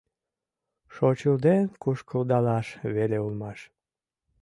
Шочылден кушкылдалаш веле улмаш.